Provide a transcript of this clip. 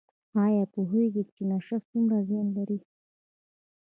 ایا پوهیږئ چې نشه څومره زیان لري؟